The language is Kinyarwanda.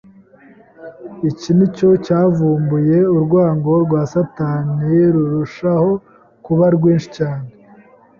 Iki ni cyo cyavumbuye urwango rwa Satani rurushaho kuba rwinshi cyane.